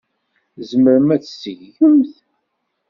Tzemremt ad t-tgemt.